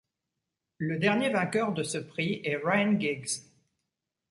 Le dernier vainqueur de ce prix est Ryan Giggs.